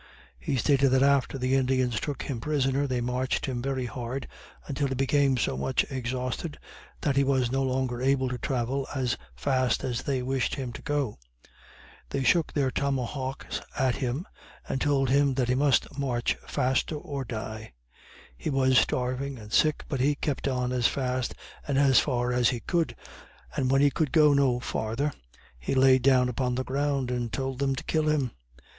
He stated that after the Indians took him prisoner, they marched him very hard, until he became so much exhausted that he was no longer able to travel as fast as they wished him to go. They shook their tomahawks at him, and told him that he must march faster or die. He was starving and sick, but he kept on as fast and as far as he could, and when he could go no farther he laid down upon the ground and told them to kill him.